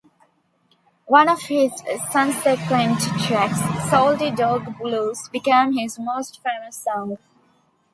One of his sunsequent tracks, "Salty Dog Blues", became his most famous song.